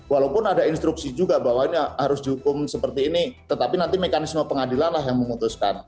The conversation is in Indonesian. walaupun ada instruksi juga bahwa ini harus dihukum seperti ini tetapi nanti mekanisme pengadilan lah yang memutuskan